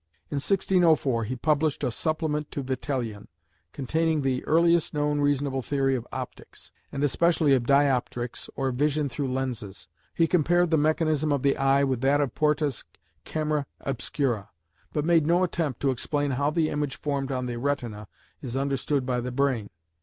In 1604 he published "A Supplement to Vitellion," containing the earliest known reasonable theory of optics, and especially of dioptrics or vision through lenses. He compared the mechanism of the eye with that of Porta's "Camera Obscura," but made no attempt to explain how the image formed on the retina is understood by the brain.